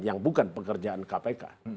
yang bukan pekerjaan kpk